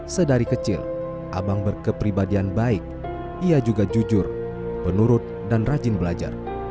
sedari kecil abang berkepribadian baik ia juga jujur penurut dan rajin belajar